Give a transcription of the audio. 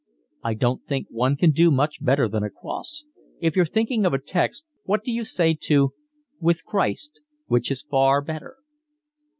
"I don't think one can do much better than a cross. If you're thinking of a text, what do you say to: With Christ, which is far better?"